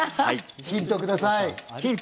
ヒントください。